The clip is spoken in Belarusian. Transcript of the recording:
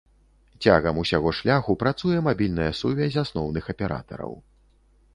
Цягам усяго шляху працуе мабільная сувязь асноўных аператараў.